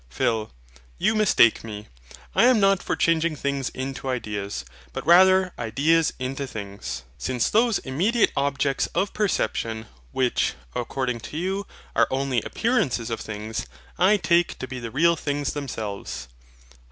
PHIL. You mistake me. I am not for changing things into ideas, but rather ideas into things; since those immediate objects of perception, which, according to you, are only appearances of things, I take to be the real things themselves.